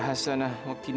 tuhan kami berikan kematian